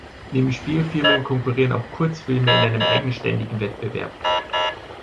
Neben Spielfilmen konkurrieren auch Kurzfilme in einem eigenständigen Wettbewerb.